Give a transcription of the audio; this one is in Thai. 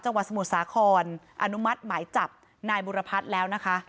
จากวัสมุขศาภนภ์อนุมัติหมายจับนายบุรพัฒแล้วนะคะ